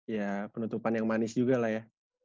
ya penutupan yang manis juga lah ya